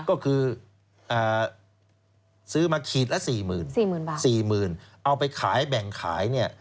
ก็คือซื้อมาขีดละสี่หมื่นเอาไปขายแบ่งขายเนี่ย